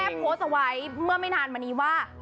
โพสต์เอาไว้เมื่อไม่นานมานี้ว่า